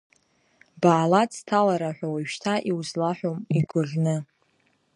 Баала ӡҭалара ҳәа уажәшьҭа иузлаҳәом игәаӷьны…